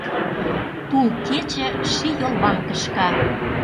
Тул-кече ший йолвам кышка.